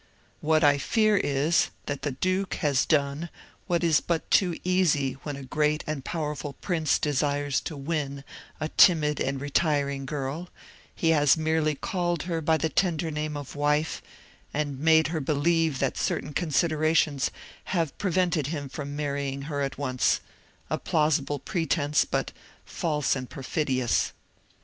What I fear is, that the duke has done, what is but too easy when a great and powerful Prince desires to win a timid and retiring girl: he has merely called her by the tender name of wife, and made her believe that certain considerations have prevented him from marrying her at once,—a plausible pretence, but false and perfidious.